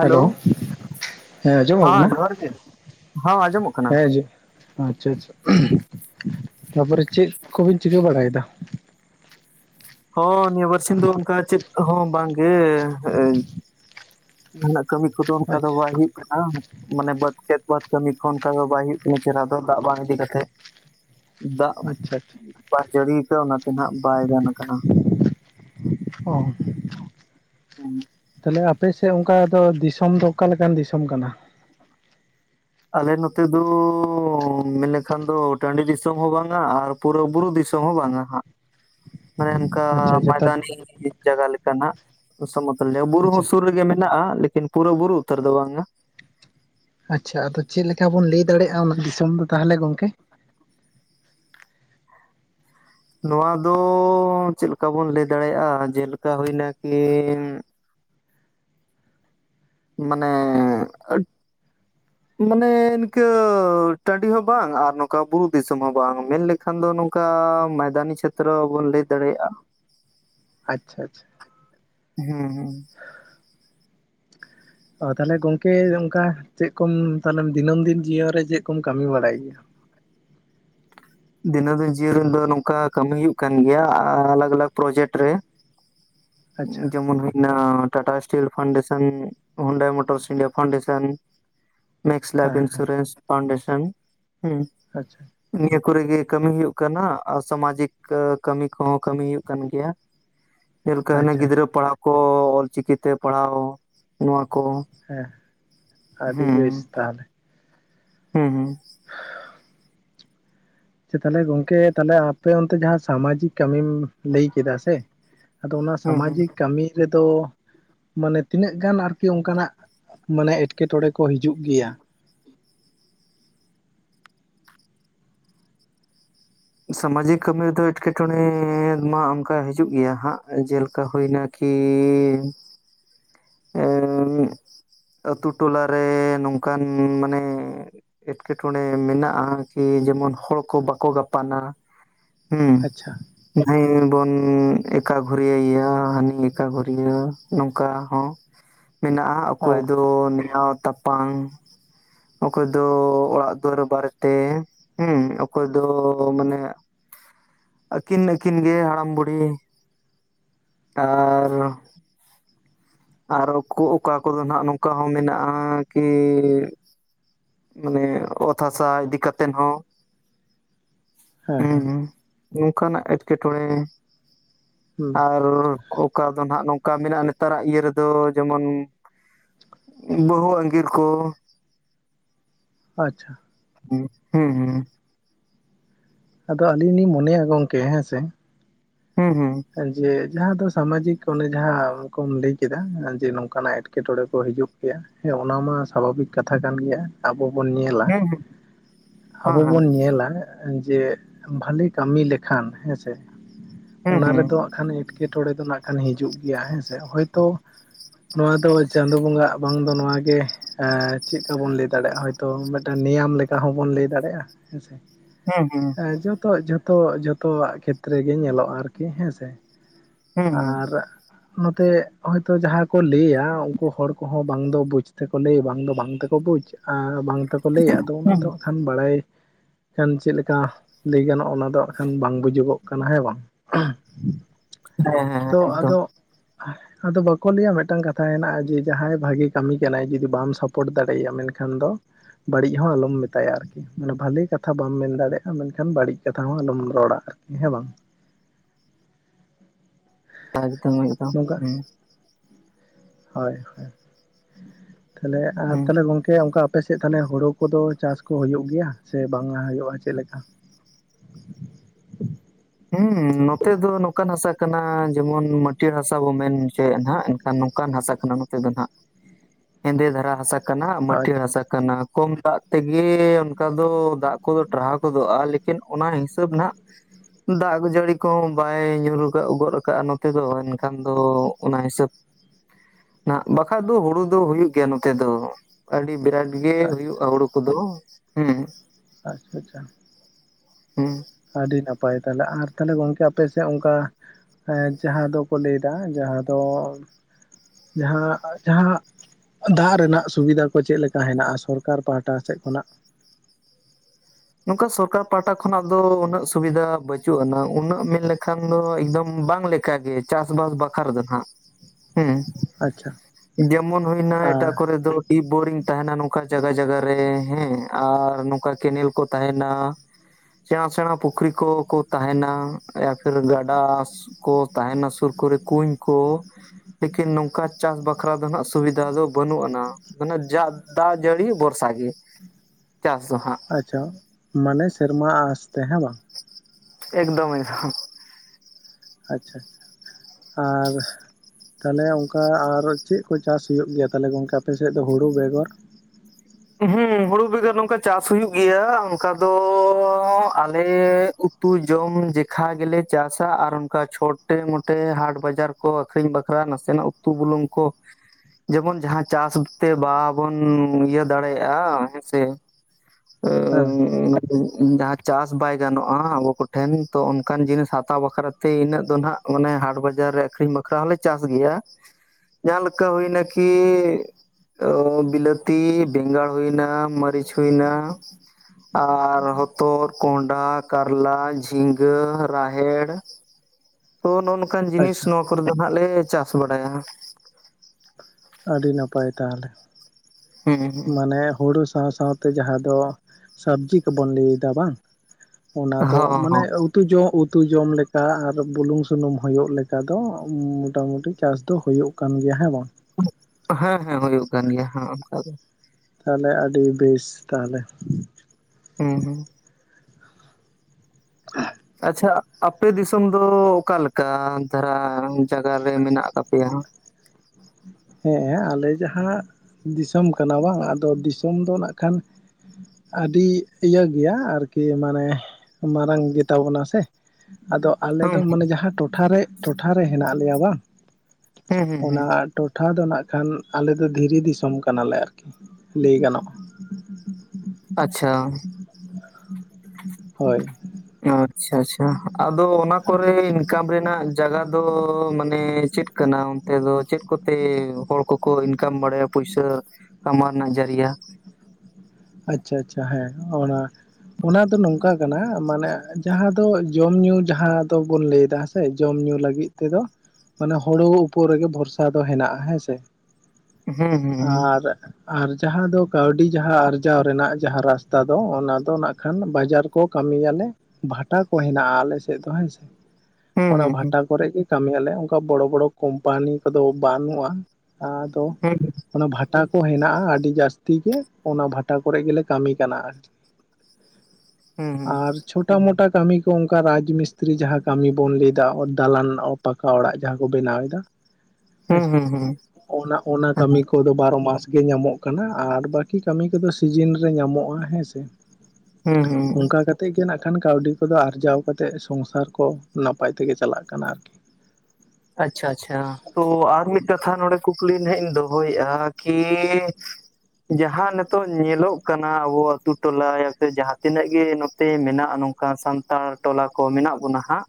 Hello. ᱦᱮᱸ ᱟᱸᱡᱚᱢᱚ ᱠᱟᱱᱟ? ᱡᱚᱦᱟᱨ ᱜᱮ ᱦᱮᱸ ᱟᱸᱡᱚᱢᱚᱜ ᱠᱟᱱᱟ ᱦᱮᱸ ᱡᱮ᱾ ᱟᱪᱪᱷᱟ ᱟᱪᱪᱷᱟ ᱛᱟᱯᱚᱨᱮ ᱪᱮᱫ ᱠᱚᱵᱤᱱ ᱪᱤᱠᱟᱹ ᱵᱟᱲᱟᱭᱮᱫᱟ? ᱦᱚᱸ ᱱᱤᱭᱟᱹ ᱵᱟᱨᱥᱤᱧ ᱫᱚ ᱚᱱᱠᱟ ᱪᱮᱫ ᱦᱚᱸ ᱵᱟᱝᱜᱮ᱾ ᱡᱟᱦᱟᱱᱟᱜ ᱠᱟᱹᱢᱤ ᱠᱚᱫᱚ ᱚᱱᱠᱟ ᱫᱚ ᱟᱪᱪᱷᱟ ᱵᱟᱭ ᱦᱩᱭᱩᱜ ᱠᱟᱱᱟ᱾ ᱢᱟᱱᱮ ᱵᱫᱽ ᱠᱷᱮᱛ ᱵᱟᱫᱽ ᱠᱟᱹᱢᱤ ᱠᱷᱚᱱ ᱚᱱᱠᱟ ᱫᱚ ᱵᱟᱭ ᱦᱩᱭᱩᱜ ᱠᱟᱱᱟ ᱪᱮᱦᱨᱟ ᱫᱚ ᱫᱟᱜ ᱵᱟᱝ ᱤᱫᱤ ᱠᱟᱛᱮᱫ᱾ ᱫᱟᱜ ᱟᱪᱪᱷᱟ ᱟᱪᱪᱷᱟ ᱵᱟᱭ ᱡᱟᱹᱲᱤ ᱟᱠᱟ-ᱟ ᱚᱱᱟᱛᱮ ᱱᱟᱜ ᱵᱟᱭ ᱜᱟᱱ ᱟᱠᱟᱱᱟ᱾ ᱚ᱾ [unintelligible] ᱛᱟᱦᱞᱮ ᱟᱯᱮ ᱥᱮᱫ ᱚᱱᱠᱟ ᱫᱚ ᱫᱤᱥᱚᱢ ᱫᱚ ᱚᱠᱟ ᱞᱮᱠᱟᱱ ᱫᱤᱥᱚᱢ ᱠᱟᱱᱟ? ᱟᱞᱮ ᱱᱚᱛᱮ ᱫᱚᱻ ᱢᱮᱱ ᱞᱮᱠᱷᱟᱱ ᱫᱚ ᱴᱟᱺᱰᱤ ᱫᱤᱥᱚᱢ ᱦᱚᱸ ᱵᱟᱝᱟ ᱟᱨ ᱯᱩᱨᱟᱹ ᱵᱩᱨᱩ ᱫᱤᱥᱚᱢ ᱦᱚᱸ ᱵᱟᱝᱟ ᱦᱟᱸᱜ᱾ [inaudible] ᱢᱟᱱᱮ ᱚᱱᱠᱟ ᱟᱪᱪᱷᱟ ᱟᱪᱪᱷᱟ ᱛᱟᱦᱚᱞᱮ ᱢᱚᱭᱫᱟᱱᱤ ᱡᱟᱭᱜᱟ ᱞᱮᱠᱟ ᱱᱟᱦᱜ᱾ ᱥᱚᱢᱚᱛᱚᱞ ᱡᱟᱭᱜᱟ ᱵᱩᱨᱩ ᱦᱚᱸ ᱟᱪᱪᱷᱟ ᱥᱩᱨ ᱨᱮᱜᱮ ᱢᱮᱱᱟᱜᱼᱟ ᱞᱮᱠᱤᱱ ᱯᱩᱨᱟᱹ ᱵᱩᱨᱩ ᱩᱛᱟᱹᱨ ᱫᱚ ᱵᱟᱝᱼᱟ᱾ ᱟᱪᱷᱟ ᱟᱫᱚ ᱪᱮᱫ ᱞᱮᱠᱟ ᱵᱚᱱ ᱞᱟᱹᱭ ᱫᱟᱲᱮᱜᱼᱟ ᱚᱱᱟ ᱫᱤᱥᱚᱢ ᱫᱚ ᱛᱟᱦᱚᱞᱮ ᱜᱚᱝᱠᱮ? ᱱᱚᱣᱟ ᱫᱚ ᱪᱮᱫ ᱞᱮᱠᱟ ᱵᱚᱱ ᱞᱟᱹᱭ ᱫᱟᱲᱮᱭᱟᱜᱼᱟ ᱡᱮᱞᱮᱠᱟ ᱦᱩᱭᱱᱟ ᱠᱤ ᱢᱟᱱᱮ ᱟᱹᱰ [inaudible] ᱢᱟᱱᱮ ᱤᱱᱠᱟᱹ ᱴᱟᱺᱰᱤ ᱦᱚᱸ ᱵᱟᱝ ᱟᱨ ᱱᱚᱝᱠᱟ ᱵᱩᱨᱩ ᱫᱤᱥᱚᱢ ᱦᱚᱸ ᱵᱟᱝ ᱢᱮᱱ ᱞᱮ ᱠᱷᱟᱱ ᱫᱚ ᱱᱚᱝᱠᱟ ᱢᱚᱭᱫᱟᱱᱤ ᱪᱷᱮᱛᱨᱚ ᱵᱚᱱ ᱞᱟᱹᱭ ᱫᱟᱲᱮᱭᱟᱜᱼᱟ᱾ ᱟᱪᱷᱟ ᱟᱪᱷᱟ᱾ ᱦᱮᱸ ᱦᱮᱸ᱾ ᱚ ᱛᱟᱦᱞᱮ ᱜᱚᱝᱠᱮ ᱚᱱᱠᱟ ᱪᱮᱫ ᱠᱚᱢ ᱛᱟᱦᱚᱞᱮᱢ ᱫᱤᱱᱟᱢ ᱫᱤᱱ ᱡᱤᱭᱚᱱ ᱨᱮ ᱪᱮᱫ ᱠᱚᱢ ᱠᱟᱹᱢᱤ ᱵᱟᱲᱟᱭ ᱜᱮᱭᱟ? ᱫᱤᱱᱟᱹᱢ ᱫᱤᱱ ᱡᱤᱭᱚᱨᱮᱱ ᱫᱚ ᱱᱚᱝᱠᱟ ᱠᱟᱹᱢᱤ ᱦᱩᱭᱩᱜ ᱠᱟᱱ ᱜᱮᱭᱟ ᱟᱞᱟᱜ ᱟᱞᱥᱜ ᱯᱨᱚᱡᱮᱠᱴ ᱨᱮ᱾ ᱟᱪᱪᱷᱟ ᱡᱮᱢᱚᱱ ᱦᱩᱭᱱᱟ Tata steel foundation Honda motors India foundation Max ᱦᱮᱸ ᱞᱟᱭᱯᱷ ᱦᱮᱸ ᱤᱱᱥᱩᱨᱮᱱᱥ ᱯᱷᱟᱣᱰᱮᱥᱚᱱ ᱦᱩᱸ ᱟᱪᱷᱟ ᱾ [unintelligible] ᱠᱚᱨᱮᱜᱮ ᱠᱟᱢᱤ ᱦᱩᱭᱩᱜ ᱠᱟᱱᱟ ᱟᱨ ᱥᱟᱢᱟᱡᱤᱠ ᱠᱟᱢᱤ ᱠᱚᱦᱚᱸ ᱠᱟᱢᱤ ᱦᱩᱭᱩᱜ ᱠᱟᱱ ᱜᱮᱭᱟ ᱾ ᱪᱮᱫ ᱞᱮᱠᱟ ᱦᱟᱱᱮ ᱟᱪᱪᱷᱟ ᱜᱤᱫᱽᱨᱟᱹ ᱟᱪᱪᱷᱟ ᱯᱟᱲᱦᱟᱣ ᱠᱚ ᱚᱞᱪᱤᱠᱤ ᱛᱮ ᱯᱟᱲᱦᱟᱣ ᱱᱚᱣᱟ ᱠᱚ, ᱦᱮᱸ ᱟᱹᱰᱤ ᱵᱮᱥ ᱦᱩᱸ ᱛᱟᱦᱚᱞᱮ ᱾ ᱦᱩᱸ ᱦᱩᱸ ᱾ ᱥᱮ ᱛᱟᱦᱚᱞᱮ ᱜᱚᱝᱠᱮ ᱛᱟᱦᱚᱞᱮ ᱟᱯᱮ ᱚᱱᱛᱮ ᱡᱟᱦᱟᱸ ᱥᱟᱢᱟᱡᱤᱠ ᱠᱟᱢᱤᱢ ᱞᱟᱹᱭ ᱠᱮᱫᱟ ᱥᱮ, ᱟᱫᱚ ᱚᱱᱟ ᱦᱩᱸ ᱦᱩᱸ ᱥᱟᱢᱟᱡᱤᱠ ᱠᱟᱢᱤ ᱨᱮᱫᱚ ᱢᱟᱱᱮ ᱛᱤᱱᱟᱹᱜ ᱜᱟᱱ ᱟᱨ ᱛᱤ ᱚᱱᱠᱟᱱᱟᱜ ᱢᱟᱱᱮ ᱮᱴᱠᱮᱴᱚᱬᱮ ᱠᱚ ᱦᱤᱡᱩᱜ ᱜᱮᱭᱟ ᱾ ᱥᱟᱢᱟᱡᱤᱠ ᱠᱟᱢᱤ ᱨᱮᱫᱚ ᱮᱴᱠᱮᱴᱚᱬᱮ ᱢᱟ ᱚᱱᱠᱟ ᱦᱤᱡᱩᱜ ᱜᱮᱭᱟ ᱦᱟᱸᱜ ᱡᱮᱞᱮᱠᱟ ᱦᱩᱭᱱᱟ ᱠᱤᱻ ᱮᱸ ᱟᱛᱩ ᱴᱚᱞᱟ ᱨᱮ ᱱᱚᱝᱠᱟᱱ ᱢᱟᱱᱮ ᱮᱴᱠᱮᱴᱚᱬᱮ ᱢᱮᱱᱟᱜᱼᱟ ᱠᱤ ᱡᱮᱢᱚᱱ ᱦᱚᱲ ᱠᱚ ᱵᱟᱠᱚ ᱜᱟᱯᱟᱱᱟ, ᱦᱩᱸ ᱟᱪᱪᱷᱟ ᱱᱩᱭ ᱵᱚᱱ ᱮᱠᱟ ᱜᱷᱩᱨᱤᱭᱟᱹᱭᱟ ᱦᱟᱱᱤ ᱮᱠᱟ ᱜᱷᱩᱨᱤᱭᱟᱹᱭᱟ ᱱᱚᱝᱠᱟ ᱦᱚᱸ, ᱢᱮᱱᱟᱜᱼᱟ ᱚᱠᱚᱭ ᱚ ᱫᱚ [inaudible] ᱛᱟᱯᱟᱢ ᱚᱠᱚᱭ ᱫᱚ ᱚᱲᱟᱜ ᱫᱩᱣᱟᱹᱨ ᱵᱟᱨᱮ ᱛᱮ ᱦᱩᱸ ᱚᱠᱚᱭ ᱫᱚ ᱢᱟᱱᱮ ᱟᱠᱤᱱ ᱟᱹᱠᱤᱱ ᱜᱮ ᱦᱟᱲᱟᱢ ᱵᱩᱲᱦᱤ ᱟᱨ ᱟᱨ ᱚᱠᱚ ᱚᱠᱟ ᱠᱚᱫᱚ ᱱᱟᱜ ᱱᱚᱝᱠᱟ ᱦᱚᱸ ᱢᱮᱱᱟᱜᱼᱟ ᱠᱤ ᱢᱟᱱᱮ ᱚᱛ ᱦᱟᱥᱟ ᱤᱫᱤ ᱠᱟᱛᱮ ᱦᱚᱸ ᱦᱮᱸ ᱦᱮᱸ ᱦᱩᱸ ᱱᱚᱝᱠᱟ ᱱᱟᱜ ᱮᱴᱠᱮᱴᱚᱬᱮ ᱦᱩᱸ ᱟᱨ ᱚᱠᱟ ᱫᱚ ᱱᱟᱜ ᱱᱚᱝᱠᱟ ᱢᱮᱱᱟᱜᱼᱟ ᱱᱮᱛᱟᱨᱟᱜ ᱤᱭᱟᱹ ᱨᱮᱫᱚ ᱡᱮᱢᱚᱱ ᱵᱟᱹᱦᱩ ᱟᱸᱜᱤᱨ ᱠᱚ ᱟᱪᱪᱷᱟ ᱾ ᱦᱩᱸ ᱦᱩᱸ ᱟᱫᱚ ᱟᱞᱤᱧ ᱞᱤᱧ ᱢᱚᱱᱮᱭᱟ ᱜᱚᱝᱠᱮ ᱦᱮᱸ ᱥᱮ ᱦᱩᱸ ᱦᱩᱸ ᱡᱮ ᱡᱟᱦᱟᱸ ᱫᱚ ᱥᱟᱢᱟᱡᱤᱠ ᱚᱱᱮ ᱡᱟᱦᱟᱸ ᱠᱚᱢ ᱞᱟᱹᱭ ᱠᱮᱫᱟ ᱡᱮ ᱱᱚᱝᱠᱟ ᱱᱟᱜ ᱮᱴᱠᱮᱴᱚᱬᱮ ᱠᱚ ᱦᱤᱡᱩᱜ ᱜᱮᱭᱟ ᱦᱮᱸ ᱚᱱᱟ ᱢᱟ ᱥᱟᱵᱷᱟᱵᱤᱠ ᱠᱟᱛᱷᱟ ᱠᱟᱱ ᱜᱮᱭᱟ ᱾ ᱟᱵᱚ ᱵᱚᱱ ᱧᱮᱞᱟ ᱦᱮᱸ ᱟᱵᱚ ᱵᱚᱱ ᱧᱮᱞᱟ ᱡᱮ ᱵᱷᱟᱞᱮ ᱠᱟᱢᱤ ᱞᱮᱠᱷᱟᱱ ᱦᱮᱸᱥᱮ ᱦᱮᱸ ᱦᱩᱸ ᱚᱱᱟ ᱦᱩᱸ ᱨᱮᱫᱚ ᱦᱟᱸᱜ ᱠᱷᱟᱱ ᱮᱴᱠᱮᱴᱚᱬᱮ ᱫᱚ ᱱᱟᱜ ᱠᱷᱟᱱ ᱦᱤᱡᱩᱜ ᱜᱮᱭᱟ ᱦᱮᱸᱥᱮ ᱦᱚᱭᱛᱚ ᱱᱚᱣᱟ ᱫᱚ ᱪᱟᱸᱫᱚ ᱵᱚᱸᱜᱟᱜ ᱵᱟᱝ ᱫᱚ ᱱᱚᱣᱟ ᱜᱮ ᱮ ᱪᱮᱫᱠᱟ ᱵᱚᱱ ᱞᱟᱹᱭ ᱫᱟᱲᱮᱭᱟᱜᱼᱟ ᱦᱚᱭᱛᱚ ᱢᱤᱫᱴᱟᱝ ᱱᱮᱭᱟᱢ ᱞᱮᱠᱟ ᱦᱚᱸᱵᱚᱱ ᱞᱟᱹᱭ ᱫᱟᱲᱮᱭᱟᱜᱼᱟ ᱦᱮᱸᱥᱮ, ᱦᱮᱸ ᱦᱮᱸ ᱾ ᱡᱚᱛᱚ ᱡᱚᱛᱚ ᱡᱚᱛᱚᱣᱟᱜ ᱠᱷᱮᱛᱨᱮ ᱜᱮ ᱧᱮᱞᱚᱜᱼᱟ ᱟᱨᱠᱤ ᱦᱮᱸ ᱥᱮ ᱦᱩᱸ ᱟᱨ ᱱᱚᱛᱮ ᱦᱚᱭᱛᱚ ᱡᱟᱦᱟᱸᱭ ᱠᱚ ᱞᱮᱭᱟ ᱩᱱᱠᱩ ᱦᱚᱲ ᱠᱚᱦᱚᱸ ᱵᱟᱝ ᱫᱚ ᱵᱩᱡ ᱛᱮᱠᱚ ᱞᱟᱹᱭ ᱵᱟᱝ ᱫᱚ ᱵᱟᱝ ᱛᱮᱠᱚ ᱵᱩᱡ ᱟᱸ ᱵᱟᱝ ᱛᱮᱠᱚ ᱞᱟᱹᱭᱟ ᱟᱫᱚ ᱚᱱᱟ ᱦᱩᱸ ᱫᱚ ᱠᱷᱟᱱ ᱵᱟᱲᱟᱭ ᱠᱷᱟᱱ ᱪᱮᱫ ᱞᱮᱠᱟ ᱞᱟᱹᱭ ᱜᱟᱱᱚᱜᱼᱟ ᱚᱱᱟ ᱫᱚ ᱦᱟᱸᱜ ᱠᱷᱟᱱ ᱵᱟᱝ ᱵᱩᱡᱩᱜᱚᱜ ᱠᱟᱱᱟ ᱦᱮᱸ ᱵᱟᱝ ᱦᱮᱸ ᱦᱮᱸ ᱛᱚ ᱮᱠᱫᱚᱢ ᱟᱫᱚ ᱟᱫᱚ ᱵᱟᱠᱚ ᱞᱟᱹᱭᱟ ᱢᱤᱫᱴᱟᱝ ᱠᱟᱛᱷᱟ ᱦᱮᱱᱟᱜᱼᱟ ᱡᱮ ᱡᱟᱦᱟᱸᱭ ᱵᱷᱟᱜᱤ ᱠᱟᱢᱤ ᱠᱟᱱᱟᱭ ᱡᱩᱫᱤ ᱵᱟᱢ ᱥᱟᱯᱳᱨᱴ ᱫᱟᱲᱮᱭᱭᱟ ᱢᱮᱱᱠᱷᱟᱱ ᱫᱚ ᱵᱟᱲᱤᱡ ᱦᱚᱸ ᱟᱞᱚᱢ ᱢᱮᱛᱟᱭᱟ ᱟᱨᱠᱤ ᱢᱟᱱᱮ ᱵᱷᱟᱞᱮ ᱠᱟᱛᱷᱟ ᱵᱟᱢ ᱢᱮᱱ ᱫᱟᱲᱮᱭᱟᱜᱼᱟ ᱢᱮᱱᱠᱷᱟᱱ ᱵᱟᱲᱤᱡ ᱠᱟᱛᱷᱟ ᱦᱚᱸ ᱟᱞᱚᱢ ᱨᱚᱲᱟ ᱟᱨᱠᱤ ᱾ ᱦᱮᱸ ᱵᱟᱝ, [unintelligible] ᱱᱚᱝᱠᱟ ᱦᱳᱭ, ᱦᱳᱭ, ᱛᱟᱦᱞᱮ ᱟᱨ ᱦᱩᱸ ᱛᱟᱦᱚᱞᱮ ᱜᱚᱝᱠᱮ ᱥᱮ ᱚᱱᱠᱟ ᱟᱯᱮᱥᱮᱫ ᱛᱟᱦᱚᱞᱮ ᱦᱳᱲᱳ ᱠᱚᱫᱚ ᱪᱟᱥ ᱠᱚ ᱦᱩᱭᱩᱜ ᱜᱮᱭᱟ ᱥᱮ ᱵᱟᱝ ᱦᱩᱭᱩᱜᱼᱟ ᱪᱮᱫ ᱞᱮᱠᱟ? ᱦᱮᱸ ᱱᱚᱛᱮ ᱫᱚ ᱱᱚᱝᱠᱟᱱ ᱦᱟᱥᱟ ᱠᱟᱱᱟ, ᱡᱮᱢᱚᱱ ᱢᱟᱹᱴᱭᱟᱹᱲ ᱦᱟᱥᱟ ᱵᱚᱱ ᱢᱮᱱ ᱦᱚᱪᱚᱭᱮᱫ ᱱᱟᱜ᱾ ᱱᱚᱝᱠᱟᱱ ᱦᱟᱥᱟ ᱠᱟᱱᱟ ᱱᱚᱛᱮ ᱫᱚ ᱱᱟᱜ, ᱦᱮᱸᱫᱮ ᱫᱷᱟᱨᱟ ᱦᱟᱥᱟ ᱠᱟᱱᱟ ᱢᱟᱹᱴᱭᱟᱹᱲ ᱟᱪᱪᱷᱟ ᱦᱟᱥᱟ ᱠᱟᱱᱟ᱾ ᱠᱚᱢ ᱫᱟᱜ ᱛᱮᱜᱮ ᱚᱱᱠᱟ ᱫᱚ ᱫᱟᱜ ᱠᱚᱫᱚ ᱴᱟᱨᱦᱟᱣ ᱜᱚᱫᱚᱜᱼᱟ᱾ ᱞᱮᱠᱤᱱ ᱚᱱᱟ ᱦᱤᱥᱟᱹᱵ ᱱᱟᱸᱜ ᱫᱟᱜ ᱡᱟᱲᱤ ᱠᱚᱦᱚᱸ ᱵᱟᱭ ᱧᱩᱨᱠᱟᱫ ᱜᱚᱫ ᱠᱟᱜᱼᱟ᱾ ᱱᱚᱛᱮ ᱫᱚ ᱮᱱᱠᱷᱟᱱ ᱫᱚ ᱚᱱᱟ ᱦᱤᱥᱟᱹᱵᱽ [inaudible] ᱱᱟ ᱵᱟᱠᱷᱟᱡᱽ ᱫᱚ ᱦᱩᱲᱩ ᱫᱚ ᱦᱩᱭᱩᱜ ᱜᱮᱭᱟ ᱱᱚᱛᱮ ᱫᱚ᱾ ᱟᱹᱰᱤ ᱵᱤᱨᱟᱴ ᱜᱮ ᱟᱪᱪᱷᱟ ᱦᱩᱭᱩᱜᱼᱟ ᱦᱩᱲᱩ ᱠᱚᱫᱚ ᱦᱮᱸ᱾ ᱟᱪᱪᱷᱟ, ᱟᱪᱪᱷᱟ᱾ ᱦᱩᱸ᱾ ᱟᱹᱰᱤ ᱱᱟᱯᱟᱭ ᱛᱟᱦᱞᱮ ᱟᱨ ᱛᱟᱦᱞᱮ ᱜᱚᱢᱠᱮ ᱟᱯᱮ ᱥᱮᱫ ᱚᱱᱠᱟ ᱡᱟᱦᱟᱸ ᱫᱚᱠᱚ ᱞᱟᱹᱭ ᱮᱫᱟ, ᱡᱟᱦᱟᱸ ᱫᱚ ᱡᱟᱦᱟᱸ ᱡᱟᱦᱟᱸ ᱫᱟᱜ ᱨᱮᱱᱟᱜ ᱥᱩᱵᱤᱫᱷᱟ ᱠᱚ ᱪᱮᱫ ᱞᱮᱠᱟ ᱦᱮᱱᱟᱜᱼᱟ, ᱥᱚᱨᱠᱟᱨ ᱯᱟᱦᱴᱟ ᱥᱮᱫ ᱠᱷᱚᱱᱟᱜ? ᱱᱚᱝᱠᱟ ᱥᱚᱨᱠᱟᱨ ᱯᱟᱦᱟᱴᱟ ᱠᱷᱚᱱᱟᱜ ᱫᱚ ᱩᱱᱟᱹᱜ ᱥᱩᱵᱤᱫᱷᱟ ᱵᱟᱹᱪᱩᱜ ᱟᱱᱟ, ᱩᱱᱟᱹᱜ ᱢᱮᱱᱠᱷᱟᱱ ᱠᱷᱟᱱ ᱫᱚ ᱮᱠᱫᱚᱢ ᱵᱟᱝ ᱞᱮᱠᱟᱜᱮ ᱪᱟᱥ-ᱵᱟᱥ ᱵᱟᱹᱠᱷᱨᱟ ᱫᱚ ᱟᱜ ᱦᱩᱸ᱾ ᱟᱪᱪᱷᱟ ᱡᱮᱢᱚᱱ ᱦᱩᱭ ᱮᱱᱟ ᱮᱴᱟᱜ ᱟᱨ ᱠᱚᱨᱮ ᱫᱚ ᱤᱵᱳᱨᱤᱝ ᱛᱟᱦᱮᱱᱟ, ᱱᱚᱝᱠᱟ ᱡᱟᱭᱜᱟ ᱡᱟᱭᱜᱟ ᱨᱮ ᱦᱮᱸ ᱟᱨ ᱱᱚᱝᱠᱟ ᱠᱮᱱᱮᱞ ᱠᱚ ᱛᱟᱦᱮᱱᱟ ᱥᱮᱬᱟ-ᱥᱮᱬᱟ ᱯᱩᱠᱷᱨᱤ ᱠᱚᱠᱚ ᱛᱟᱦᱮᱱᱟ᱾ ᱮ ᱯᱷᱤᱨ ᱜᱟᱰᱟ ᱠᱚ ᱛᱟᱦᱮᱱᱟ, ᱥᱩᱨ ᱠᱚᱨᱮ ᱠᱩᱧ ᱠᱚ, ᱞᱤᱠᱤᱱ ᱱᱚᱝᱠᱟ ᱪᱟᱥ ᱵᱟᱹᱠᱷᱨᱟ ᱫᱚ ᱱᱟᱜ ᱥᱩᱵᱤᱫᱷᱟ ᱫᱚ ᱵᱟᱹᱱᱩᱜ ᱟᱱᱟ᱾ ᱢᱟᱱᱮ ᱫᱟᱜ ᱡᱟᱹᱲᱤ ᱵᱚᱨᱥᱟ ᱜᱤ ᱪᱟᱥ ᱫᱚ ᱦᱟᱸᱜ᱾ ᱟᱪᱪᱷᱟ, ᱢᱟᱱᱮ ᱥᱮᱨᱢᱟ ᱟᱥᱛᱮ ᱦᱮᱸ ᱵᱟᱝ? ᱮᱠᱫᱚᱢ, ᱮᱠᱫᱚᱢ ᱾ ᱟᱪᱪᱷᱟ, ᱟᱪᱪᱷᱟ ᱟᱨ ᱛᱟᱦᱚᱞᱮ ᱚᱱᱠᱟ ᱟᱨ ᱪᱮᱫ ᱠᱚ ᱪᱟᱥ ᱦᱩᱭᱩᱜ ᱜᱮᱭᱟ, ᱛᱟᱦᱞᱮ ᱜᱚᱝᱠᱮ ᱟᱯᱮᱥᱮᱫ ᱫᱚ ᱦᱳᱲᱩ ᱵᱮᱜᱚᱨ? ᱦᱮᱸ ᱦᱩᱲᱩ ᱵᱮᱜᱚᱨ ᱱᱚᱝᱠᱟ ᱫᱚ ᱪᱟᱥ ᱦᱩᱭᱩᱜ ᱜᱮᱭᱟ, ᱚᱱᱠᱟ ᱫᱚ ᱟᱞᱮ ᱩᱛᱩ ᱡᱚᱢ ᱡᱮᱠᱷᱟ ᱜᱮᱞᱮ ᱪᱟᱥᱟ ᱟᱨ ᱚᱱᱠᱟ ᱪᱷᱚᱴᱮ ᱢᱚᱴᱮ- ᱦᱟᱴ ᱵᱟᱡᱟᱨ ᱠᱚ ᱟᱹᱠᱷᱨᱤᱧ ᱵᱟᱠᱷᱨᱟ ᱱᱟᱥᱮᱱᱟᱜ ᱩᱛᱩ ᱵᱩᱞᱩᱝ ᱠᱚ ᱡᱮᱢᱚᱱ ᱡᱟᱦᱟᱸ ᱪᱟᱥ ᱛᱮ ᱵᱟ ᱵᱚᱱ ᱤᱭᱟᱹ ᱫᱟᱲᱮᱭᱟᱜᱼᱟ, ᱦᱮᱸᱥᱮ᱾ ᱦᱮᱸ ᱡᱟᱦᱟᱸ ᱪᱟᱥ ᱵᱟᱭ ᱜᱟᱱᱚᱜᱼᱟ, ᱟᱵᱚ ᱠᱚᱴᱷᱮᱱ ᱛᱚ ᱚᱱᱠᱟᱱ ᱡᱤᱱᱤᱥ ᱦᱟᱛᱟᱣ ᱵᱟᱹᱠᱷᱨᱟ ᱛᱮ ᱤᱱᱟᱹᱜ ᱫᱚ ᱟᱸᱜ ᱢᱟᱱᱮ ᱦᱟᱴ ᱵᱟᱡᱟᱨ ᱨᱮ ᱟᱹᱠᱷᱨᱤᱧ ᱵᱟᱠᱷᱨᱟ ᱦᱚᱸᱞᱮ ᱪᱟᱥ ᱜᱮᱭᱟ᱾ ᱡᱟᱦᱟᱸ ᱞᱮᱠᱟ ᱦᱩᱭ ᱱᱟᱠᱤ ᱵᱤᱞᱟᱹᱛᱤ ᱵᱮᱸᱜᱟᱲ ᱦᱩᱭᱱᱟ, ᱢᱟᱹᱨᱤᱪ ᱦᱩᱭ ᱮᱱᱟ, ᱟᱨ ᱦᱚᱛᱚᱫ, ᱠᱚᱸᱰᱟᱷᱟ, ᱠᱟᱨᱞᱟ, ᱡᱷᱤᱜᱟᱹ, ᱨᱟᱦᱮᱲ, ᱛᱚ ᱱᱚᱜᱼᱚᱭ ᱱᱚᱝᱠᱟᱱ ᱡᱤᱱᱤᱥ ᱟᱪᱪᱷᱟ ᱱᱚᱣᱟ ᱠᱚᱨᱮ ᱫᱚ ᱱᱟᱜ ᱞᱮ ᱪᱟᱥ ᱵᱟᱲᱟᱭᱟ᱾ ᱟᱹᱰᱤ ᱱᱟᱯᱟᱭ ᱛᱟᱦᱚᱞᱮ ᱦᱩᱸ ᱢᱟᱱᱮ ᱦᱩᱲᱩ ᱥᱟᱶ ᱥᱟᱣ ᱛᱮ ᱡᱟᱦᱟᱸ ᱫᱚ ᱥᱚᱵᱽᱡᱤ ᱠᱚᱵᱚᱱ ᱞᱟᱹᱭᱫᱟ ᱵᱟᱝ? ᱚᱱᱟ ᱦᱩᱸ ᱫᱚ ᱦᱚᱸ ᱢᱟᱱᱮ ᱦᱚᱸ ᱩᱛᱩ ᱡᱚ ᱩᱛᱩ ᱡᱚᱢ ᱞᱮᱠᱟ ᱟᱨ ᱵᱩᱞᱩᱝ ᱥᱩᱱᱩᱢ ᱦᱩᱭᱩᱜ ᱞᱮᱠᱟ ᱫᱚ, ᱢᱚᱴᱟ ᱢᱩᱴᱤ ᱪᱟᱥ ᱫᱚ ᱦᱩᱭᱩᱜ ᱠᱟᱱᱟ᱾ ᱠᱟᱱ ᱜᱮᱭᱟ ᱦᱮᱸ ᱵᱟᱝ? ᱦᱮᱸ ᱦᱮᱸ ᱦᱩᱭᱩᱜ ᱠᱟᱱ ᱜᱮᱭᱟ ᱦᱮᱸ ᱚᱱᱠᱟ ᱜᱮ᱾ ᱛᱟᱦᱚᱞᱮ ᱟᱹᱰᱤ ᱵᱮᱥ ᱛᱟᱦᱚᱞᱮ ᱦᱩᱸ ᱦᱩᱸ [unintelligible] ᱟᱪᱪᱷᱟ ᱟᱯᱮ ᱫᱤᱥᱚᱢ ᱫᱚ ᱚᱠᱟᱞᱮᱠᱟ ᱫᱷᱟᱨᱟ ᱡᱟᱭᱜᱟᱨᱮ ᱢᱮᱱᱟᱜ ᱟᱠᱟᱫ ᱯᱮᱭᱟ ᱦᱮᱸ ᱟᱞᱮ ᱡᱟᱦᱟᱸ ᱫᱤᱥᱚᱢ ᱠᱟᱱᱟ ᱵᱟᱝ ᱟᱫᱚ ᱫᱤᱥᱚᱢ ᱫᱚ ᱱᱟᱜ ᱠᱷᱟᱱ ᱟᱹᱰᱤ ᱤᱭᱟᱹ ᱜᱮᱭᱟ ᱟᱨᱠᱤ ᱢᱟᱱᱮ ᱢᱟᱨᱟᱝ ᱜᱮᱛᱟᱵᱚᱱᱟ ᱥᱮ ᱟᱫᱚ ᱟᱞᱮ ᱫᱚ ᱦᱩᱸ ᱢᱟᱱᱮ ᱡᱟᱦᱟᱸ ᱴᱚᱴᱷᱟ ᱨᱮ ᱴᱚᱴᱷᱟ ᱨᱮ ᱦᱮᱱᱟᱜ ᱞᱮᱭᱟ ᱵᱟᱝ ᱦᱩᱸ ᱦᱩᱸ ᱚᱱᱟ ᱦᱩᱸ ᱴᱚᱴᱷᱟ ᱫᱚ ᱱᱟᱜ ᱠᱷᱟᱱ ᱟᱞᱮᱫᱚ ᱫᱷᱤᱨᱤ ᱫᱤᱥᱚᱢ ᱠᱟᱱᱟᱞᱮ ᱟᱨᱠᱤ ᱞᱟᱹᱭ ᱜᱟᱱᱚᱜᱼᱟ ᱟᱪᱪᱷᱟ ᱦᱳᱭ ᱟᱪᱪᱷᱟ ᱟᱪᱪᱷᱟ ᱟᱫᱚ ᱚᱱᱟ ᱠᱚᱨᱮ ᱤᱱᱠᱟᱢ ᱨᱮᱱᱟᱜ ᱡᱟᱜᱟ ᱫᱚ ᱢᱟᱱᱮ ᱪᱮᱫᱼᱼ ᱠᱟᱱᱟ ᱚᱱᱛᱮ ᱫᱚ ᱪᱮᱫ ᱠᱚᱛᱮ ᱦᱚᱲ ᱠᱚᱠᱚ ᱤᱱᱠᱟᱢ ᱵᱟᱲᱟᱭᱟ ᱯᱩᱭᱥᱟᱹ ᱟᱢᱟᱜ ᱱᱚᱡᱟᱹᱨᱤᱭᱟ ᱟᱪᱪᱷᱟ ᱟᱪᱪᱷᱟ ᱦᱮᱸ ᱚᱱᱟ ᱚᱱᱟ ᱫᱚ ᱱᱚᱝᱠᱟ ᱠᱟᱱᱟ ᱢᱟᱱᱮ ᱡᱟᱦᱟᱸ ᱫᱚ ᱡᱚᱢ ᱧᱩ ᱡᱟᱦᱟᱸ ᱫᱚᱵᱚᱱ ᱞᱟᱹᱭ ᱫᱟ ᱦᱳᱭ ᱡᱚᱢ ᱧᱩ ᱞᱟᱹᱜᱤᱫ ᱠᱚᱫᱚ ᱢᱟᱱᱮ ᱦᱩᱲᱩ ᱩᱯᱚᱨ ᱨᱮᱜᱮ ᱵᱷᱚᱨᱥᱟ ᱫᱚ ᱦᱮᱱᱟᱜᱼᱟ ᱦᱮᱸ ᱥᱮ ᱦᱩᱸ ᱟᱨ ᱟᱨ ᱡᱟᱦᱟᱸ ᱫᱚ ᱠᱟᱹᱣᱰᱤ ᱡᱟᱦᱟᱸ ᱟᱨᱡᱟᱣ ᱨᱮᱱᱟᱜ ᱡᱟᱦᱟᱸ ᱨᱟᱥᱛᱟ ᱫᱚ ᱚᱱᱟ ᱫᱚ ᱱᱟᱜ ᱠᱷᱟᱱ ᱵᱟᱡᱟᱨ ᱠᱚ ᱠᱟᱹᱢᱤᱭᱟᱞᱮ ᱵᱷᱟᱴᱟ ᱠᱚ ᱦᱮᱱᱟᱜᱼᱟ ᱟᱞᱮ ᱥᱮᱫ ᱫᱚ ᱦᱮᱸ ᱥᱮ ᱦᱩᱸ ᱚᱱᱟ ᱦᱩᱸ ᱵᱷᱟᱴᱟ ᱠᱚᱨᱮᱫ ᱜᱮ ᱠᱟᱹᱢᱤᱭᱞᱮ ᱚᱱᱠᱟ ᱵᱚᱲᱚ ᱵᱚᱲᱚ ᱠᱳᱢᱯᱟᱱᱤ ᱠᱚᱫᱚ ᱵᱟᱹᱱᱩᱜᱼᱟ ᱟᱫᱚ ᱦᱮᱸ ᱚᱱᱟ ᱵᱷᱟᱴᱟ ᱠᱚ ᱦᱮᱱᱟᱜᱼᱟ ᱟᱹᱰᱤ ᱡᱟᱹᱟᱥᱛᱤ ᱜᱮ ᱚᱱᱟ ᱵᱷᱟ ᱴᱟ ᱠᱚᱨᱮᱫ ᱜᱮᱞᱮ ᱠᱟᱹᱢᱤ ᱠᱟᱱᱟ ᱟᱨᱠᱤ ᱦᱩᱸ ᱦᱩᱸ ᱟᱨ ᱪᱷᱚᱴᱚ ᱢᱚᱴᱚ ᱠᱟᱹᱢᱤ ᱠᱚ ᱚᱱᱠᱟ ᱨᱟᱡᱽ ᱢᱤᱥᱛᱨᱤ ᱡᱟᱦᱟᱸ ᱠᱟᱹᱢᱤ ᱵᱚᱱ ᱞᱟᱹᱭ ᱫᱟ ᱚᱛ ᱫᱟᱞᱟᱱ ᱚ ᱯᱟᱠᱟ ᱚᱲᱟᱜ ᱡᱟᱦᱟᱸ ᱠᱚ ᱵᱮᱱᱟᱣ ᱫᱟ ᱦᱩᱸ ᱦᱩᱸ ᱦᱩᱸ ᱦᱮᱸᱥᱮ ᱦᱩᱸ ᱦᱩᱸ ᱦᱩᱸ ᱦᱩᱸ ᱚᱱᱟ ᱚᱱᱟ ᱠᱟᱹᱢᱤ ᱠᱚᱫᱚ ᱵᱟᱨᱚ ᱢᱟᱥ ᱜᱮ ᱧᱟᱢᱚᱜ ᱠᱟᱱᱟᱟᱨ ᱵᱟᱠᱤ ᱠᱟᱹᱢᱤ ᱠᱚᱫᱚ ᱥᱤᱡᱤᱱ ᱨᱮ ᱧᱟᱢᱚᱜᱼᱟ ᱦᱮᱸ ᱥᱮ ᱚᱱᱠᱟ ᱠᱟ ᱠᱟᱛᱮᱫ ᱜᱮ ᱱᱟᱦᱟᱜ ᱠᱷᱟᱱ ᱠᱟᱹᱣᱰᱤ ᱠᱚᱫᱚ ᱟᱨᱡᱟᱣ ᱠᱟᱛᱮᱫ ᱥᱚᱝᱥᱟᱨ ᱠᱚ ᱱᱟᱯᱟᱭ ᱛᱮᱜᱮ ᱪᱟᱞᱟᱜ ᱠᱟᱱᱟ ᱟᱨᱠᱤ ᱟᱪᱪᱷᱟ ᱟᱪᱪᱷᱟ ᱛᱚ ᱟᱨ ᱢᱤᱫ ᱠᱟᱛᱷᱟ ᱱᱚᱰᱮ ᱠᱩᱠᱞᱤ ᱦᱟᱸᱜ ᱤᱧ ᱫᱚᱦᱚᱭᱮᱫᱼᱟ ᱠᱤ ᱡᱟᱦᱟᱸ ᱱᱤᱛᱚᱜ ᱧᱮᱞᱚᱜ ᱠᱟᱱᱟ ᱟᱵᱚ ᱟᱛᱩ ᱴᱚᱞᱟ ᱥᱮ ᱡᱟᱦᱟᱸ ᱛᱤᱱᱟᱹᱜ ᱜᱮ ᱱᱚᱛᱮ ᱢᱮᱱᱟᱜᱼᱟ ᱱᱚᱝ ᱠᱟ ᱥᱟᱱᱛᱟᱲ ᱴᱚᱞᱟ ᱠᱚ ᱢᱮᱱᱟᱜ ᱵᱚᱱᱟ ᱦᱟᱸᱜ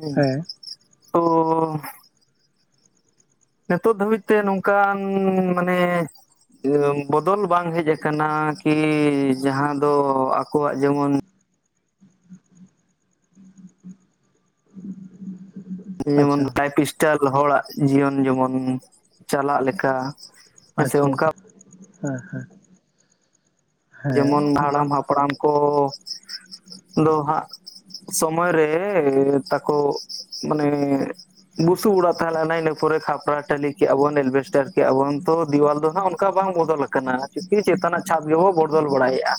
ᱦᱮᱸ ᱛᱚ ᱱᱤᱛᱚᱜ ᱫᱷᱟᱹᱵᱤᱡ ᱛᱮ ᱱᱚᱝᱠᱟᱱ ᱢᱟᱱᱮ ᱱᱤᱭᱚᱢ ᱵᱚᱫᱚᱞ ᱵᱟᱝ ᱦᱮᱡ ᱠᱟᱱᱟ ᱠᱤ ᱡᱟᱦᱟᱸ ᱫᱚ ᱟᱠᱚᱣᱟᱜ ᱡᱮᱢᱚᱱ [inaudible] ᱡᱮᱢᱚᱱ ᱟᱪᱪᱷᱟ ᱠᱷᱤᱥᱴᱟᱱ ᱦᱚᱲᱟᱜ ᱡᱤᱭᱚᱱ ᱡᱮᱢᱚᱱ ᱪᱟᱞᱟᱜ ᱞᱮᱠᱟ ᱦᱮᱸ ᱥᱮ ᱟᱪᱪᱷᱟ ᱚᱱᱠᱟ ᱦᱮᱸ ᱦᱮᱸ ᱡᱮᱢᱚᱱ ᱚᱱᱟ ᱦᱟᱲᱟᱢ ᱦᱟᱯᱲᱟᱢ ᱠᱚ ᱫᱚ ᱦᱟᱸᱜ ᱥᱚᱢᱚᱭᱨᱮ ᱛᱟᱠᱚ ᱢᱟᱱᱮ ᱵᱩᱥᱩᱵ ᱚᱲᱟᱜ ᱛᱟᱦᱮᱸ ᱞᱮᱱᱟ ᱤᱱᱟᱹ ᱯᱚᱨᱮ ᱠᱷᱟᱯᱨᱟ ᱴᱟᱹᱞᱤ ᱠᱮᱫᱼᱟ ᱵᱚᱱ ᱮᱴᱵᱮᱥᱴᱟᱨ ᱠᱮᱫᱼᱟ ᱵᱚᱱ ᱛᱚ ᱫᱮᱣᱟᱞ ᱫᱚ ᱦᱟᱸᱜ ᱚᱱᱠᱟ ᱵᱟᱝ ᱵᱚᱫᱚᱞ ᱠᱟᱱᱟ ᱟᱨᱠᱤ ᱪᱮᱛᱟᱱᱟᱜ ᱪᱷᱟᱫ ᱜᱮᱵᱚᱱ ᱵᱚᱫᱚᱞ ᱵᱟᱲᱟᱭᱮᱫᱼᱟ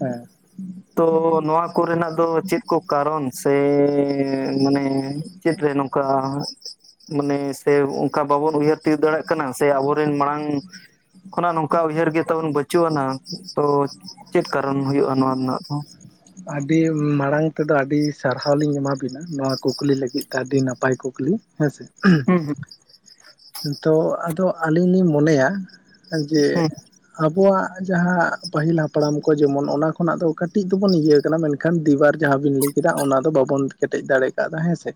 ᱦᱮᱸ ᱛᱚ ᱱᱚᱣᱟ ᱠᱚᱨᱮᱱᱟᱜ ᱫᱚ ᱪᱮᱫ ᱠᱚ ᱠᱟᱨᱚᱱ ᱥᱮ ᱢᱟᱱᱮ ᱪᱮᱫ ᱨᱮ ᱱᱚᱝᱠᱟ ᱾ ᱢᱟᱱᱮ ᱥᱮ ᱚᱱᱠᱟ ᱵᱟᱵᱚᱱ ᱩᱭᱦᱟᱹᱨ ᱛᱤᱭᱳᱜ ᱫᱟᱲᱮᱭᱟᱜᱼᱟ ᱠᱟᱱᱟ ᱥᱮᱼᱼ ᱟᱵᱚᱨᱮᱱ ᱢᱟᱲᱟᱝ ᱠᱷᱚᱱᱟᱜ ᱱᱚᱝᱠᱟ ᱩᱭᱦᱟᱹᱨ ᱜᱮ ᱛᱟᱵᱚᱱ ᱵᱟᱹᱪᱩᱜ ᱟᱱᱟ ᱛᱚ ᱪᱮᱫ ᱠᱟᱨᱚᱱ ᱦᱩᱭᱩᱜᱼᱟ ᱱᱚᱣᱟ ᱨᱮᱱᱟᱜ ᱫᱚ ᱾ ᱟᱹᱰᱤ ᱢᱟᱲᱟᱝ ᱛᱮᱫᱚ ᱟᱹᱰᱤ ᱥᱟᱨᱦᱟᱣ ᱞᱤᱧ ᱮᱢᱟᱵᱤᱱᱟ, ᱱᱚᱣᱟ ᱠᱩᱠᱞᱤ ᱞᱟᱹᱜᱤᱫ ᱛᱮ ᱟᱹᱰᱤ ᱱᱟᱯᱟᱭ ᱠᱩᱠᱞᱤ ᱾ ᱦᱮᱸ ᱥᱮ ᱾ ᱦᱩᱸ [unintelligible] ᱛᱚ ᱟᱫᱚ ᱟᱹᱞᱤᱧ ᱞᱤᱧ ᱢᱚᱱᱮᱭᱟ ᱡᱮᱼᱼ ᱦᱩᱸ ᱟᱵᱚᱣᱟᱜ ᱡᱟᱦᱟᱸ ᱯᱟᱹᱦᱤᱞ ᱦᱟᱯᱲᱟᱢ ᱠᱚ ᱡᱮᱢᱚᱱ ᱚᱱᱟ ᱠᱷᱚᱱᱟᱜ ᱫᱚ ᱠᱟᱹᱴᱤᱡ ᱫᱚᱵᱚᱱ ᱤᱭᱟᱹ ᱠᱟᱱᱟ ᱢᱮᱱᱼᱼ ᱫᱤᱵᱟᱨ ᱡᱟᱦᱟᱸ ᱵᱤᱱ ᱞᱟᱹᱭ ᱠᱮᱫᱟ ᱚᱱᱟ ᱫᱚ ᱵᱟᱵᱚᱱ ᱠᱮᱴᱮᱡ ᱫᱟᱲᱮ ᱟᱠᱟᱫᱟ ᱦᱮᱸ ᱥᱮ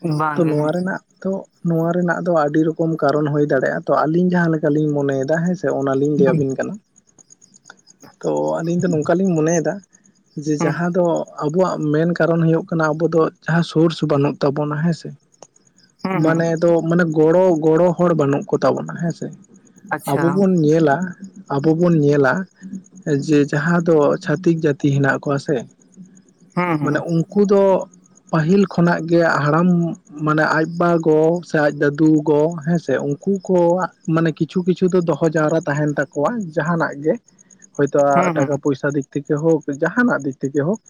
ᱦᱩᱸ ᱛᱚ ᱵᱟᱝᱜᱮ ᱱᱚᱣᱟ ᱨᱮᱱᱟᱜ ᱫᱚ ᱱᱚᱣᱟ ᱨᱮᱱᱟᱜ ᱫᱚ ᱟᱹᱰᱤ ᱨᱚᱼᱼ ᱠᱟᱨᱚᱱ ᱦᱩᱭ ᱫᱟᱲᱮᱭᱟᱜᱼᱟ ᱛᱚ ᱠᱟᱨᱚᱱ ᱦᱩᱭ ᱫᱟᱲᱮᱭᱟ ᱟᱞᱤᱧ ᱡᱟᱦᱟᱸ ᱞᱮᱠᱟ ᱞᱤᱧ ᱢᱚᱱᱮᱭᱮᱫᱟ ᱦᱮᱸᱥᱮ ᱚᱱᱟ ᱞᱤᱧ ᱞᱟᱹᱭ ᱟᱵᱤᱱ ᱠᱟᱱᱟ ᱾ ᱛᱚ ᱟᱞᱤᱧ ᱫᱚ ᱱᱚᱝᱠᱟᱞᱤᱧ ᱢᱚᱱᱮᱭᱮᱫᱟ ᱡᱮ ᱦᱩᱸ ᱡᱟᱦᱟᱸ ᱫᱚᱼᱼ ᱟᱵᱚᱣᱟᱜ ᱢᱮᱱ ᱠᱟᱨᱚᱱ ᱦᱩᱭᱩᱜ ᱠᱟᱱᱟ ᱟᱵᱚ ᱫᱚ ᱡᱟᱦᱟᱸ ᱥᱳᱨᱥ ᱵᱟᱹᱱᱩᱜ ᱛᱟᱵᱚᱱᱟ ᱦᱮᱸᱥᱮ ᱾ ᱦᱩᱸ ᱦᱩᱸ ᱢᱟᱱᱮ ᱫᱚ ᱢᱟᱱᱮ ᱜᱚᱲᱚ, ᱜᱚᱲᱚ ᱦᱚᱲ ᱵᱟᱹᱱᱩᱜ ᱠᱚᱛᱟ ᱵᱚᱱᱟ ᱦᱮᱸᱥᱮ ᱾ ᱟᱵᱚ ᱟᱪᱪᱷᱟ ᱵᱚᱱ ᱧᱮᱞᱟᱼᱼ ᱟᱵᱚ ᱵᱚᱱ ᱧᱮᱞᱟ, ᱡᱮ ᱡᱟᱦᱟᱸ ᱫᱚ ᱪᱷᱟᱛᱤᱠ ᱡᱟᱹᱛᱤ ᱦᱮᱱᱟᱜ ᱠᱚᱣᱟ ᱥᱮᱼᱼ ᱦᱩᱸ ᱢᱟᱱᱮ ᱦᱩᱸ ᱩᱱᱼᱼ ᱩᱱᱠᱩ ᱫᱚ ᱯᱟᱹᱦᱤᱞ ᱠᱷᱚᱱᱟᱜ ᱜᱮ ᱦᱟᱲᱟᱢ ᱢᱟᱱᱮ ᱟᱡ ᱵᱟ ᱜᱚ ᱥᱮ ᱟᱡ ᱫᱟᱫᱩᱼᱼ ᱜᱚ ᱦᱮᱸ ᱥᱮ, ᱩᱱᱠᱩ ᱠᱚᱣᱟᱜ ᱢᱟᱱᱮ ᱠᱤᱪᱷᱩ ᱠᱤᱪᱷᱩ ᱫᱚᱦᱚ ᱡᱟᱣᱨᱟ ᱛᱟᱦᱮᱱ ᱛᱟᱠᱚᱣᱟ ᱡᱟᱦᱟᱸ ᱱᱟᱜ ᱜᱮ ᱾ ᱦᱚᱭ ᱛᱚ ᱴᱟᱠᱟ ᱦᱩᱸ ᱯᱚᱭᱥᱟ ᱫᱤᱠ ᱛᱮᱠᱮ ᱦᱳᱠ ᱡᱟᱦᱟᱱᱟᱜ ᱫᱤᱠ ᱛᱮᱠᱮ ᱦᱳᱠᱼᱼ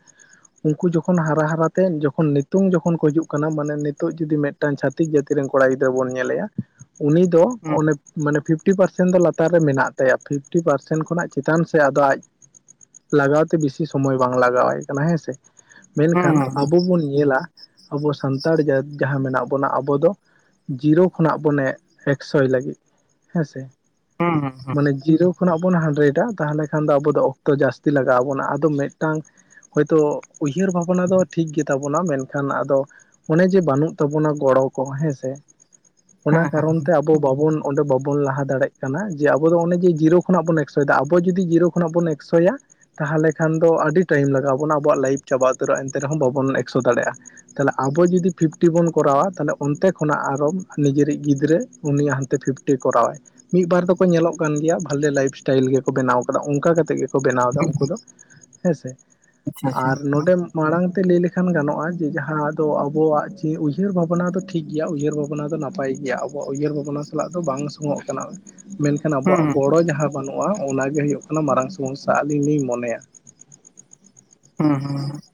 ᱩᱱᱠᱩ ᱡᱚᱠᱷᱚᱱ ᱦᱟᱨᱟ ᱦᱟᱨᱟ ᱛᱮ ᱡᱚᱠᱷᱚᱱ ᱱᱤᱛᱳᱜ ᱡᱚᱠᱷᱚᱱ ᱠᱚ ᱦᱤᱡᱩᱜ ᱠᱟᱱᱟ ᱢᱟᱱᱮ ᱱᱤᱛᱚᱜ ᱡᱩᱫᱤ ᱢᱮᱫᱼᱼ ᱢᱤᱫᱴᱟᱝ ᱪᱷᱟᱹᱛᱤᱠ ᱡᱟᱹᱛᱤ ᱨᱮᱱ ᱠᱚᱲᱟ ᱜᱤᱫᱽᱨᱟᱹ ᱵᱚᱱ ᱧᱮᱞᱮᱭᱟ ᱩᱱᱤ ᱫᱚ ᱦᱩᱸ ᱚᱱᱮᱼᱼ ᱢᱟᱱᱮ ᱯᱷᱤᱯᱴᱤ ᱯᱟᱨᱥᱮᱱ ᱫᱚ ᱞᱟᱛᱟᱨ ᱨᱮ ᱢᱮᱱᱟᱜ ᱛᱟᱭᱟ, ᱯᱷᱤᱯᱴᱤ ᱯᱟᱨᱥᱮᱱ ᱠᱷᱚᱱᱟᱜ ᱪᱮᱛᱟᱱ ᱥᱮ ᱟᱫᱚ ᱟᱡᱼᱼ ᱞᱟᱜᱟᱣᱛᱮ ᱵᱮᱥᱤ ᱥᱚᱢᱚᱭ ᱵᱟᱝ ᱞᱟᱜᱟᱣᱟᱭ ᱠᱟᱱᱟ ᱦᱮᱸᱥᱮ, ᱦᱩᱸ ᱦᱩᱸ ᱢᱮᱱᱠᱷᱟᱱ ᱦᱩᱸ ᱟᱵᱚ ᱵᱚᱱ ᱧᱮᱞᱟᱼᱼ ᱟᱵᱚ ᱥᱟᱱᱛᱟᱲᱟ ᱡᱟᱦᱟᱸ ᱢᱮᱱᱟᱜ ᱵᱚᱱᱟ ᱟᱵᱚ ᱫᱚ ᱡᱤᱨᱳᱠᱼᱼ ᱠᱷᱚᱱᱟᱜ ᱵᱚᱱᱮ ᱮᱠᱥᱚᱭ ᱞᱟᱹᱜᱤᱫ ᱦᱮᱸᱥᱮ, ᱦᱩᱸ ᱦᱩᱸ ᱦᱩᱸ ᱢᱟᱱᱮ ᱡᱤᱨᱳᱠᱼᱼ ᱚᱰᱮ ᱠᱷᱚᱱᱟᱜ ᱵᱚᱱ ᱦᱟᱱᱰᱮ ᱮᱲᱟ, ᱛᱟᱦᱚᱞᱮ ᱠᱷᱟᱱ ᱫᱚ ᱟᱵᱚ ᱫᱚ ᱚᱠᱛᱚ ᱡᱟᱹᱥᱛᱤ ᱞᱟᱜᱟᱣ ᱟᱵᱚᱱᱟ ᱾ ᱟᱫᱚ ᱢᱤᱫᱴᱟᱝᱼᱼ ᱦᱚᱭᱛᱚ ᱩᱭᱦᱟᱹᱨ ᱵᱷᱟᱵᱽᱱᱟ ᱫᱚ ᱴᱷᱤᱠ ᱜᱮ ᱛᱟᱵᱚᱱᱟ ᱢᱮᱱᱠᱷᱟᱱ, ᱟᱫᱚᱼᱼ ᱚᱱᱮ ᱡᱮ ᱵᱟᱹᱱᱩᱜ ᱛᱟᱵᱚᱱᱟ ᱜᱚᱲᱚ ᱠᱚ ᱦᱮᱸ ᱥᱮ, ᱚᱱᱟ ᱦᱮᱸ ᱠᱟᱨᱚᱱ ᱦᱮᱸ ᱛᱮ ᱟᱵᱚᱼᱼ ᱵᱟᱵᱚᱱ ᱚᱸᱰᱮ ᱵᱟᱵᱚᱱ ᱞᱟᱦᱟ ᱫᱟᱲᱮᱭᱟᱜ ᱠᱟᱱᱟ ᱾ ᱡᱮ ᱟᱵᱚ ᱫᱚ ᱚᱱᱮ ᱡᱮ ᱡᱤᱨᱳ ᱠᱷᱚᱱᱟᱜ ᱵᱚᱱ ᱮᱠᱥᱚᱭᱮᱫᱟ ᱟᱵᱚ ᱡᱩᱫᱤ ᱡᱤᱨᱳ ᱠᱷᱚᱱᱟᱜ ᱵᱚᱱᱼᱼ ᱮᱠ ᱥᱚᱭᱟᱼᱼ ᱛᱟᱦᱚᱞᱮ ᱠᱷᱟᱱ ᱫᱚ ᱟᱹᱰᱤ ᱴᱟᱭᱤᱢ ᱞᱟᱜᱟᱣ ᱵᱚᱱᱟ ᱟᱵᱚᱣᱟᱜ ᱞᱟᱭᱤᱯᱷ ᱪᱟᱵᱟ ᱩᱛᱟᱹᱨᱚᱜᱼᱟ, ᱮᱱᱛᱮ ᱨᱮᱦᱚᱸ ᱵᱟᱵᱚᱱ ᱮᱠᱥᱚ ᱫᱟᱲᱮᱭᱟᱜᱼᱟ ᱾ ᱛᱟᱦᱚᱞᱮ ᱟᱵᱚ ᱡᱩᱫᱤ ᱯᱷᱤᱯᱴᱤ ᱵᱚᱱ ᱠᱚᱨᱟᱣᱟ, ᱛᱟᱦᱚᱞᱮ ᱚᱱᱛᱮ ᱠᱷᱚᱱᱟᱜ ᱟᱨᱚᱼᱼ ᱱᱤᱡᱮᱨᱤᱡ ᱜᱤᱫᱽᱨᱟᱹ ᱩᱱᱤᱭ ᱦᱟᱱᱛᱮ ᱯᱷᱤᱯᱴᱤᱭ ᱠᱚᱨᱟᱣᱟᱭ ᱾ ᱢᱤᱫ ᱵᱟᱨ ᱫᱚᱠᱚ ᱧᱮᱞᱚᱜ ᱠᱟᱱ ᱜᱮᱭᱟ, ᱵᱷᱟᱞᱮ ᱞᱟᱭᱤᱯᱷ ᱥᱴᱟᱭᱤᱞ ᱜᱮᱠᱚ ᱵᱮᱱᱟᱣ ᱠᱟᱫᱟ ᱚᱱᱠᱟ ᱠᱟᱛᱮ ᱜᱮ ᱾ ᱠᱚ ᱵᱮᱱᱟᱣ ᱮᱫᱟ ᱩᱱᱠᱩ ᱫᱚ ᱦᱮᱸ ᱥᱮ, ᱟᱪᱪᱷᱟ ᱟᱪᱪᱷᱟ ᱟᱨ ᱦᱩᱸ ᱱᱚᱰᱮᱼᱼ ᱢᱟᱲᱟᱝ ᱛᱮ ᱞᱟᱹᱭ ᱞᱮᱠᱷᱟᱱ ᱜᱟᱱᱚᱜᱼᱟ ᱡᱮ ᱡᱟᱦᱟᱸ ᱫᱚ ᱟᱵᱚᱣᱟᱜ ᱡᱮ ᱩᱭᱦᱟᱹᱨ ᱵᱷᱟᱵᱱᱟ ᱫᱚ ᱴᱷᱤᱠ ᱜᱮᱭᱟ ᱩᱭᱦᱟᱹᱨ ᱵᱷᱟᱼᱼ ᱚᱱᱟ ᱫᱚ ᱱᱟᱯᱟᱭ ᱜᱮᱭᱟ, ᱟᱵᱚᱣᱟᱜ ᱩᱭᱦᱟᱹᱨ ᱵᱷᱟᱵᱱᱟ ᱥᱟᱞᱟᱜ ᱫᱚ ᱵᱟᱝ ᱥᱚᱝᱚᱜ ᱠᱟᱱᱟ ᱢᱮᱱᱠᱷᱟᱱ ᱟᱵᱚᱣᱟᱜ ᱦᱩᱸ ᱜᱚᱲᱚ ᱡᱟᱦᱟᱸᱼᱼ ᱵᱟᱹᱱᱩᱜᱼᱟ, ᱚᱱᱟᱜᱮ ᱦᱩᱭᱩᱜ ᱠᱟᱱᱟ ᱢᱟᱨᱟᱝ ᱥᱚᱢᱚᱥᱥᱟ ᱟᱹᱞᱤᱧ ᱞᱤᱧ ᱢᱚᱱᱮᱭᱟ ᱾ ᱦᱩᱸ ᱦᱩᱸ ᱾